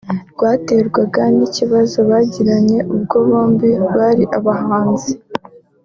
rwaterwaga n’ibibazo bagiranye ubwo bombi bari abahanzi